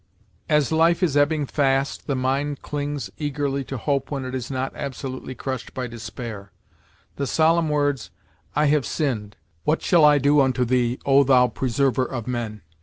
As life is ebbing fast, the mind clings eagerly to hope when it is not absolutely crushed by despair. The solemn words "I have sinned; what shall I do unto thee, O thou preserver of men?